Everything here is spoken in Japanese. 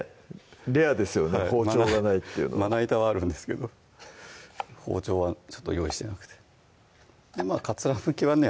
レアですよね包丁がないっていうのはまな板はあるんですけど包丁は用意してなくてかつらむきはね